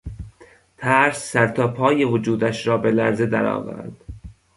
ترس سر تا پای وجودش را به لرزه در آورد.